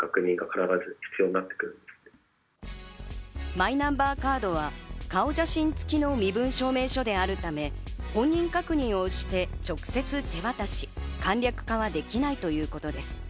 マイナンバーカードは顔写真付きの身分証明書であるため、本人確認をして直接手渡し、簡略化はできないということです。